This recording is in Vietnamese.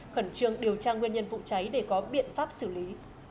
khẩn trương điều tra nguyên nhân vụ cháy để có biện pháp xử lý